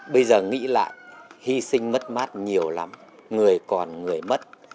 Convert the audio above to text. bây giờ nghĩ lại hy sinh mất mát nhiều lắm người còn người mất